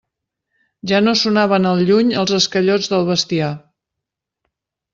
Ja no sonaven al lluny els esquellots del bestiar.